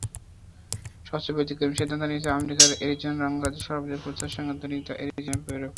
সবচেয়ে ব্যতিক্রমী সিদ্ধান্ত নিয়েছিল আমেরিকার অ্যারিজোনা অঙ্গরাজ্যের সর্বাধিক প্রচারসংখ্যার দৈনিক দ্য অ্যারিজোনা রিপাবলিক।